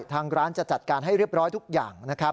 ทางร้านจะจัดการให้เรียบร้อยทุกอย่างนะครับ